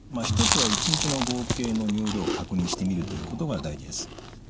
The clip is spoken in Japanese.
一つは１日の合計の尿量を確認してみるということが大事です。